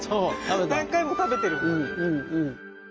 何回も食べてるんだ。